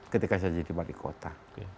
ketika saya di bali kota